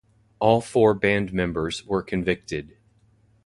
All four band members were convicted.